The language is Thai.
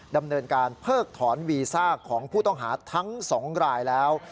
ดำเนินการเพิกถอนวีซ่าของผู้ต้องหาทั้ง๒รายแล้ว